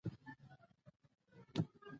فرهنګ سره ګډېږي.